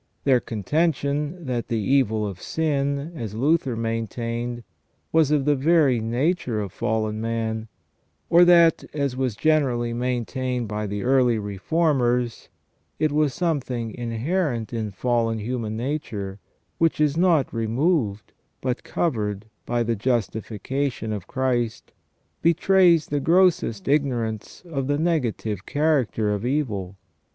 Their contention that the evil of sin, as Luther maintained, was of the very nature of fallen man ; or that, as was generally maintained by the early Reformers, it was something inherent in fallen human nature, which is not removed but covered by the justification of Christ, betrays the grossest ignorance of the negative character of evil.